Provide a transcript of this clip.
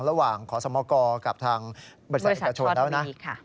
ระหว่างขอสมกกับทางบริษัทเอกชนแล้วนะ